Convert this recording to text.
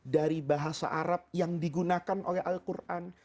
dari bahasa arab yang digunakan oleh al quran